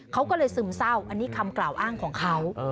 เขาก็เลยซึมเศร้าอันนี้คำกล่าวอ้างของเขา